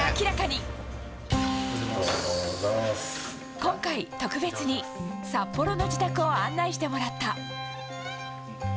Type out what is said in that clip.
今回、特別に札幌の自宅を案内してもらった。